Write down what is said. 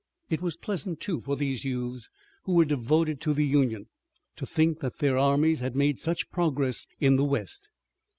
It was pleasant, too, for these youths, who were devoted to the Union, to think that their armies had made such progress in the west.